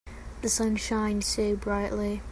The sun shines so brightly.